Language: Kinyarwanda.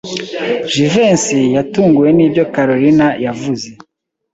Jivency yatunguwe nibyo Kalorina yavuze.